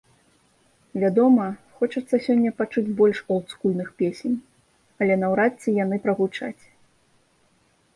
Вядома, хочацца сёння пачуць больш олдскульных песень, але наўрад ці яны прагучаць.